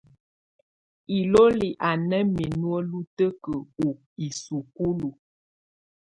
Ilolí a ná minu lutǝ́kǝ u isukúlu.